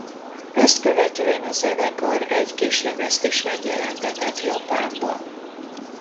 Ezt követően a zenekar egy kislemezt is megjelentetett Japánban.